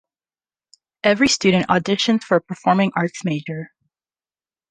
Every student auditions for a performing arts major.